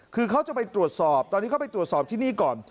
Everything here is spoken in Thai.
คือเขาจะไปตรวจสอบตอนนี้เขาไปตรวจสอบที่นี่ก่อน